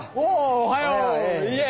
おはよう。